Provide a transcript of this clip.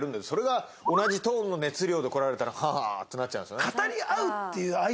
それが同じトーンの熱量で来られたらはあってなっちゃうんですよね。